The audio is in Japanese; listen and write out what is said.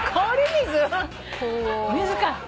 水か。